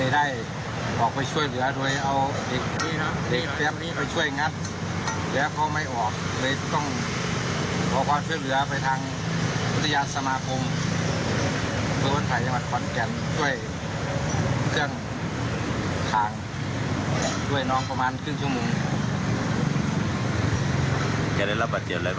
ได้รับบัตรเจ็บเล็กน้อยครับ